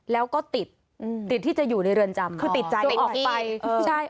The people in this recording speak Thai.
แล้วก็ติดติดที่จะอยู่ในเรือนจำคือติดใจออกไปใช่